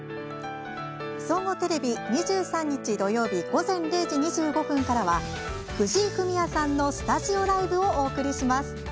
総合テレビ、２３日土曜日、午前０時２５分からは藤井フミヤさんのスタジオライブをお送りします。